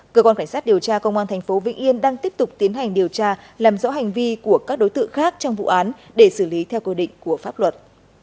cơ quan cảnh sát điều tra công an tp vĩnh yên đang tiếp tục tiến hành điều tra làm rõ hành vi của các đối tượng khác trong vụ án để xử lý theo quy định của pháp luật